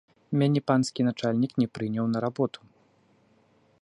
Мяне панскі начальнік не прыняў на работу.